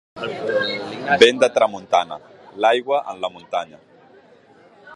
Vent de tramuntana, l'aigua en la muntanya.